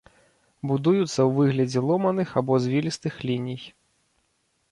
Будуюцца ў выглядзе ломаных або звілістых ліній.